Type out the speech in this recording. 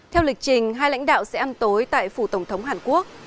theo lịch trình hai lãnh đạo sẽ ăn tối tại phủ tổng thống hàn quốc